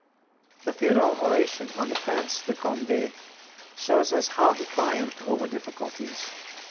The funeral oration on the Prince de Condé shows us how he triumphed over difficulties.